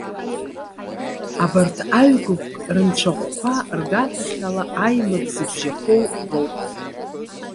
Абарҭ аҩгәыԥк рынцәахәқәа рганахьала аимак зыбжьақәоу роуп.